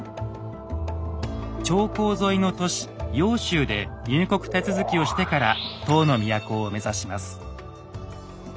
長江沿いの都市揚州で入国手続きをしてから唐の都を目指します。